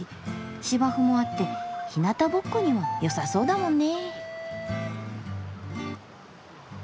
芝生もあってひなたぼっこにはよさそうだもんね。